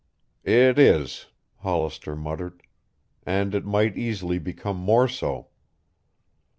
"It is," Hollister muttered, "and it might easily become more so."